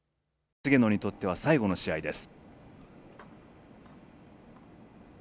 菅野にとっては最後の試合です。